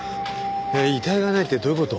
遺体がないってどういう事？